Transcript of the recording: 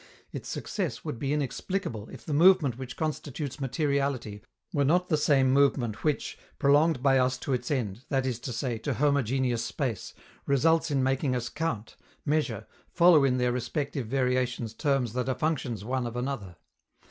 Its success would be inexplicable, if the movement which constitutes materiality were not the same movement which, prolonged by us to its end, that is to say, to homogeneous space, results in making us count, measure, follow in their respective variations terms that are functions one of another.